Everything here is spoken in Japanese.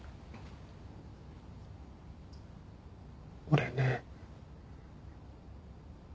俺ね。